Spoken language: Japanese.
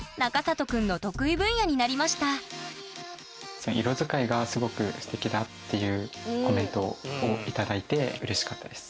以来「色づかいがすごくステキだ」っていうコメントを頂いてうれしかったです。